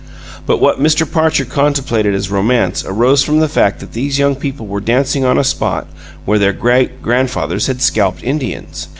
But what Mr. Parcher contemplated as romance arose from the fact that these young people were dancing on a spot where their great grandfathers had scalped Indians.